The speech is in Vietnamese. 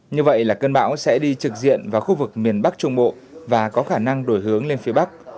như vậy là cơn bão sẽ đi trực diện vào khu vực miền bắc trung bộ và có khả năng đổi hướng lên phía bắc